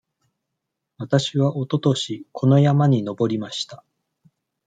わたしはおととしこの山に登りました。